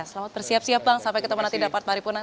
selamat bersiap siap bang sampai ketemu nanti di rapat paripunan